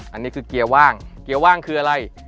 อันนี้คือเกียร์ว่างเกียร์ว่างคืออะไร